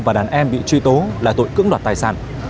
và đàn em bị truy tố là tội cưỡng đoạt tài sản